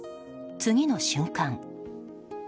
次の瞬間。